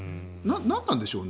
何なんでしょうね？